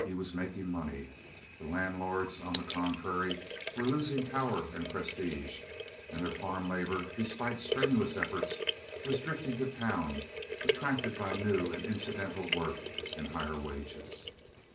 He was making money. The landlords, on the contrary, were losing power and prestige, and their farm labor, despite strenuous efforts, was drifting to town attracted by new and incidental work and higher wages.